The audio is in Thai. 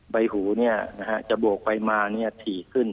ใบหูจะบวกไปมาถี่ขึ้น